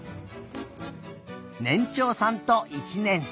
ねんちょうさんと１年生。